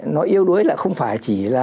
nó yếu đuối là không phải chỉ là